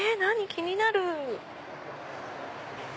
気になる！